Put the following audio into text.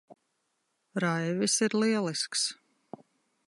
Raivis ir lielisks.